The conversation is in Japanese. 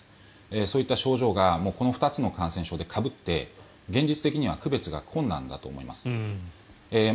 そういった症状がこの２つの感染症でかぶって現実的には区別が困難だと思います。